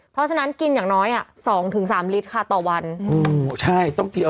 เพราะฉะนั้นกินอย่างน้อยอ่ะสองถึงสามลิตรค่ะต่อวันอืมใช่ต้องกิน